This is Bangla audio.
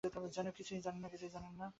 যেন কিছুই জানেন না।